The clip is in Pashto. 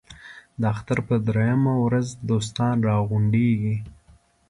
د اختر په درېیمه ورځ دوستان را غونډېږي.